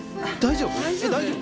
大丈夫？